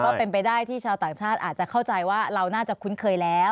ก็เป็นไปได้ที่ชาวต่างชาติอาจจะเข้าใจว่าเราน่าจะคุ้นเคยแล้ว